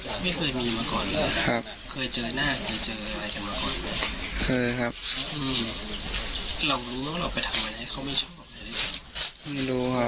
เรารู้แล้วเราไปทำอะไรให้เขาไม่ชอบอะไรหรือเปล่า